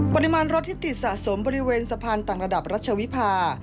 ปริมาณรถที่ติดสะสมบริเวณสะพานต่างระดับรัชวิภา